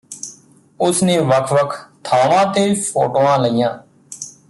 ਉਸ ਨੇ ਵੱਖ ਵੱਖ ਥਾਵਾਂ ਤੇ ਫੋਟੋਆਂ ਲਈਆਂ